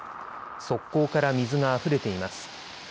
側溝から水があふれています。